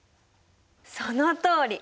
そのとおり！